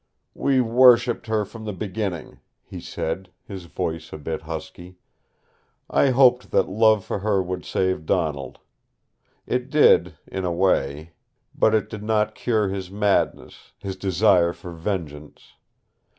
"We worshipped her from the beginning," he said, his voice a bit husky. "I hoped that love for her would save Donald. It did, in a way. But it did not cure his madness, his desire for vengeance.